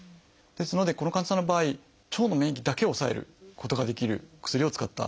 ですのでこの患者さんの場合腸の免疫だけを抑えることができる薬を使ったことになります。